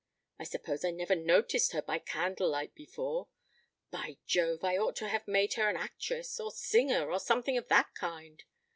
I suppose I never noticed her by candlelight before. By Jove! I ought to have made her an actress, or singer, or something of that kind.